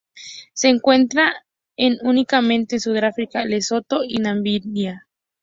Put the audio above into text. Se encuentra en únicamente en Sudáfrica, Lesoto y Namibia.